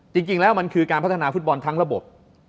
จริงแล้วมันคือการพัฒนาฟุตบอลทั้งระบบ